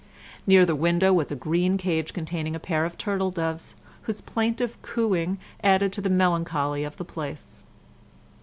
Near the window was a green cage containing a pair of turtle doves, whose plaintive cooing added to the melancholy of the place.